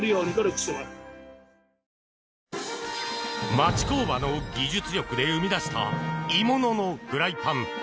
町工場の技術力で生み出した鋳物のフライパン。